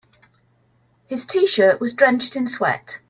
His t-shirt was drenched in sweat.